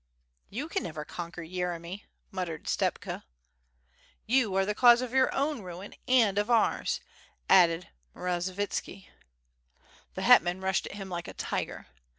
"You can never conquer Yeremy," muttered Stepka. "You are the cause of your own ruin and of ours," added Mrozovitski. The hetman rushed at him like a tiger.